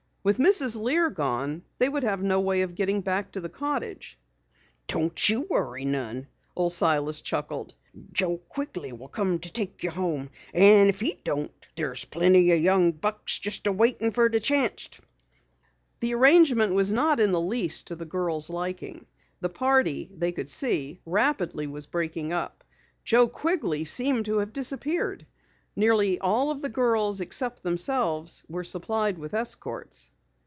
With Mrs. Lear gone they would have no way of getting back to the cottage. "Don't you worry none," Old Silas chuckled. "Joe Quigley will take you home. An' if he don't there's plenty o' young bucks waitin' fer the chanst." The arrangement was not in the least to the girls' liking. The party, they could see, rapidly was breaking up. Joe Quigley seemed to have disappeared. Nearly all of the girls except themselves were supplied with escorts.